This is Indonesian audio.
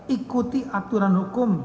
ikuti aturan hukum